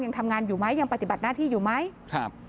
ยังทำงานอยู่ไหมยังปฏิบัติหน้าที่อยู่ไหมครับ